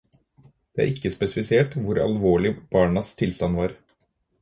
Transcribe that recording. Det er ikke spesifisert hvor alvorlig barnas tilstand var.